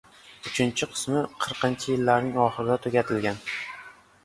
Uchinchi qismi qirqinchi yillarning oxirida tugatilgan.